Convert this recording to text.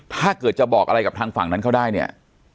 ถ้าเกิดจะบอกอะไรกับทางฝั่งนั้นเขาได้เนี่ย